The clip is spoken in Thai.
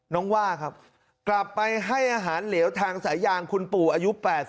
ว่าครับกลับไปให้อาหารเหลวทางสายางคุณปู่อายุ๘๐